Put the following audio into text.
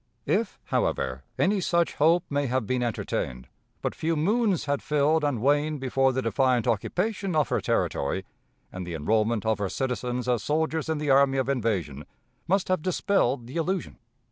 If, however, any such hope may have been entertained, but few moons had filled and waned before the defiant occupation of her territory and the enrollment of her citizens as soldiers in the army of invasion must have dispelled the illusion.